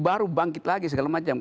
baru bangkit lagi segala macam